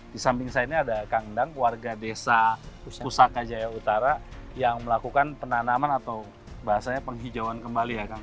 di samping saya ini ada kang endang warga desa pusaka jaya utara yang melakukan penanaman atau bahasanya penghijauan kembali ya kang